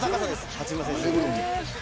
八村選手。